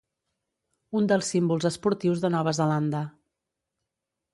un dels símbols esportius de Nova Zelanda